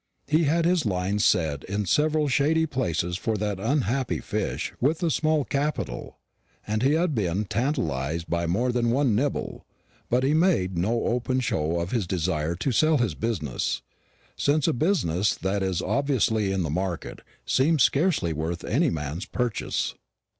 He had his lines set in several shady places for that unhappy fish with a small capital, and he had been tantalised by more than one nibble; but he made no open show of his desire to sell his business since a business that is obviously in the market seems scarcely worth any man's purchase.